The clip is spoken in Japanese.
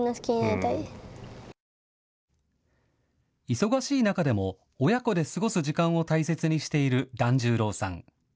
忙しい中でも親子で過ごす時間を大切にしている團十郎さん。